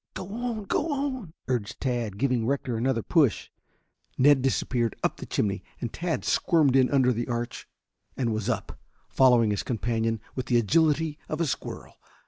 "Go on, go on!" urged Tad, giving Rector another push. Ned disappeared up the chimney, and Tad squirmed in under the arch and was up, following his companion with the agility of a squirrel.